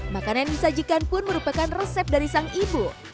makanan yang disajikan pun merupakan resep dari sang ibu